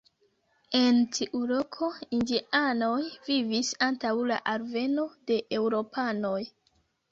En tiu loko indianoj vivis antaŭ la alveno de eŭropanoj.